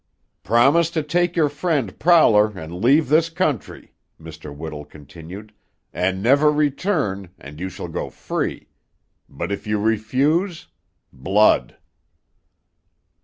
"Promise to take your friend Prowler, and leave this country," Mr. Whittle continued, "and never return, and you shall go free; but if you refuse Blood!"